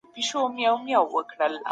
تحليل به ژور سي.